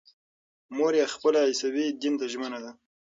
مور یې خپل عیسوي دین ته ژمنه ده.